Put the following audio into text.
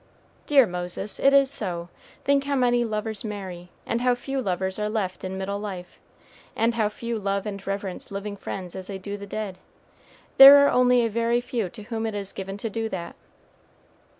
"Dear Moses, it is so. Think how many lovers marry, and how few lovers are left in middle life; and how few love and reverence living friends as they do the dead. There are only a very few to whom it is given to do that."